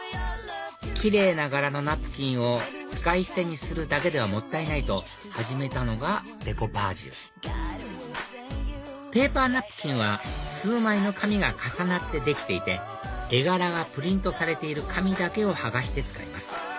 キレイな柄のナプキンを使い捨てにするだけではもったいない！と始めたのがデコパージュペーパーナプキンは数枚の紙が重なってできていて絵柄がプリントされている紙だけを剥がして使います